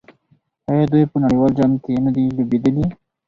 آیا دوی په نړیوال جام کې نه دي لوبېدلي؟